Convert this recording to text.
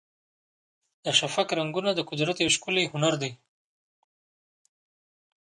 د شفق رنګونه د قدرت یو ښکلی هنر دی.